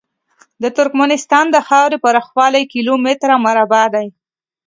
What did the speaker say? د ترکمنستان د خاورې پراخوالی کیلو متره مربع دی.